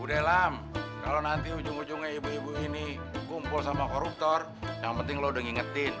udah lama kalau nanti ujung ujungnya ibu ibu ini kumpul sama koruptor yang penting lo udah ngingetin